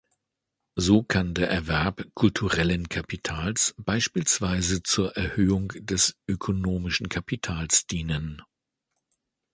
So kann der Erwerb kulturellen Kapitals beispielsweise zur Erhöhung des ökonomischen Kapitals dienen.